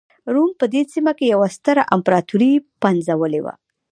روم په دې سیمه کې یوه ستره امپراتوري پنځولې وه.